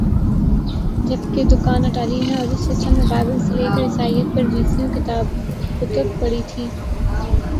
جبکہ دکان اٹالین ہے اور اس حصہ میں بائبل سے لیکر عیسائیت پر بیسیوں کتب پڑی تھیں